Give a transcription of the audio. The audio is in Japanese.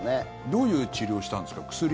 どういう治療をしたんですか？